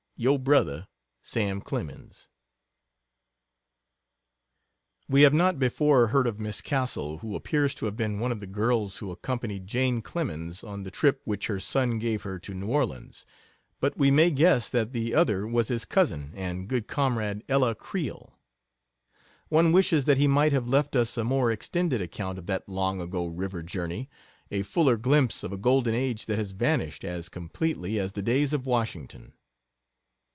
Your Brother SAM CLEMENS We have not before heard of Miss Castle, who appears to have been one of the girls who accompanied Jane Clemens on the trip which her son gave her to New Orleans, but we may guess that the other was his cousin and good comrade, Ella Creel. One wishes that he might have left us a more extended account of that long ago river journey, a fuller glimpse of a golden age that has vanished as completely as the days of Washington.